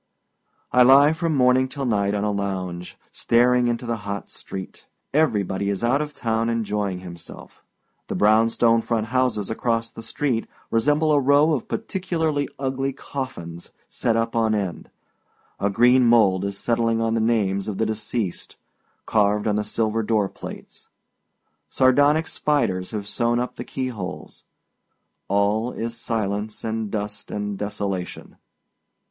I lie from morning till night on a lounge, staring into the hot street. Everybody is out of town enjoying himself. The brown stone front houses across the street resemble a row of particularly ugly coffins set up on end. A green mould is settling on the names of the deceased, carved on the silver door plates. Sardonic spiders have sewed up the key holes. All is silence and dust and desolation.